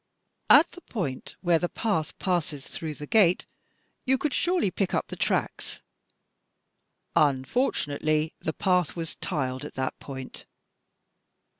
"At the point where the path passes through the gate, you could surely pick up the tracks?" " Unfortunately, the path was tiled at that point."